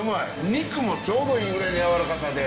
肉もちょうどいいぐらいのやわらかさで。